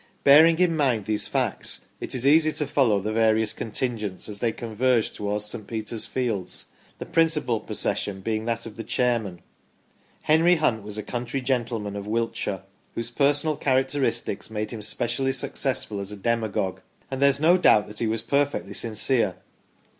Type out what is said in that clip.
Bearing in mind these facts, it is easy to follow the various contingents as they converged towards St. Peter's fields, the principal procession being that of the chairman. Henry Hunt was a country gentleman of Wiltshire, whose personal characteristics made him specially successful as a demagogue, and there is no doubt that he was perfectly sincere.